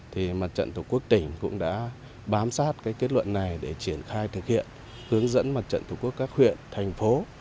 thì mặt trận tổ quốc tỉnh cũng đã bám sát kết luận này để triển khai thực hiện hướng dẫn mặt trận tổ quốc các huyện thành phố